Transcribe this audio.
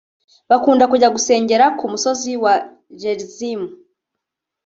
bakunda kujya gusengera ku musozi wa Gerizim